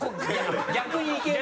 逆にいける？